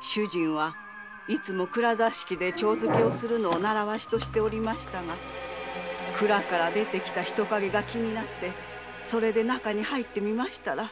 主人はいつも蔵座敷で帳づけするのを習慣としておりましたが蔵から出てきた人影が気になってそれで中に入ってみましたら。